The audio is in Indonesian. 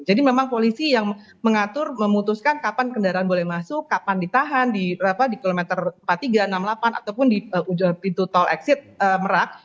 jadi memang polisi yang mengatur memutuskan kapan kendaraan boleh masuk kapan ditahan di kilometer empat puluh tiga enam puluh delapan ataupun di ujung pintu tol exit merak